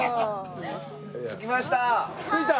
着きました！